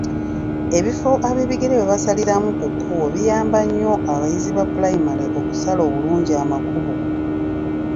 Ebifo ab'ebigere webasaliramu ku kkubo biyamba nnyo abayizi ba pulayimale okusala obulungi amakubo.